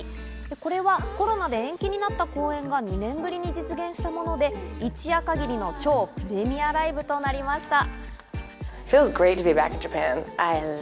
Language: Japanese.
これはコロナで延期になった公演が２年ぶりに実現したもので、一夜限りの超プレミアライブとなりました。